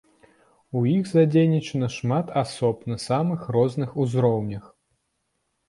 У іх задзейнічана шмат асоб, на самых розных узроўнях.